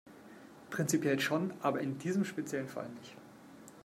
Prinzipiell schon, aber in diesem speziellen Fall nicht.